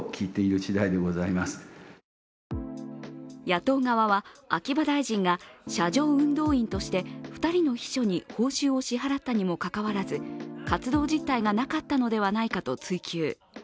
野党側は、秋葉大臣が車上運動員として２人の秘書に報酬を支払ったにもかかわらず、活動実態がなかったのではないかと追及。